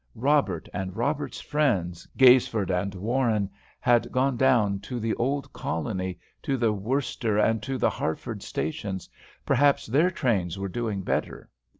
Robert and Robert's friends, Gaisford and Warren, had gone down to the Old Colony, to the Worcester, and to the Hartford stations. Perhaps their trains were doing better.